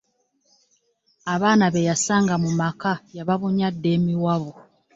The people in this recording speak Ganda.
Abaana be yasanga mu maka yababunya dda emiwabo.